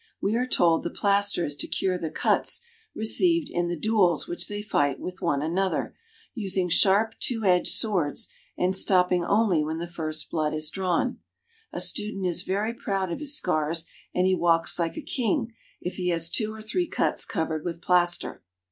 We are told the plaster is to cure the cuts received in the duels which they fight with one another, using sharp two edged swords and stopping only when the first blood is drawn. A student is very proud of his scars, and he walks like a king if he has two or three cuts covered with plaster.